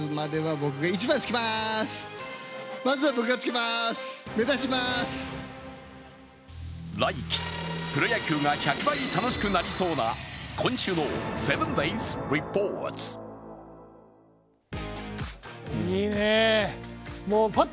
まず注目は来期プロ野球が１００倍楽しくなりそうな、今週の「７ｄａｙｓリポート」。